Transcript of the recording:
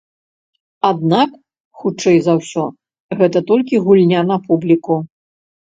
Аднак, хутчэй за ўсё, гэта толькі гульня на публіку.